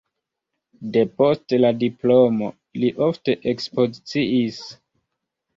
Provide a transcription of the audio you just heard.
Depost la diplomo li ofte ekspoziciis.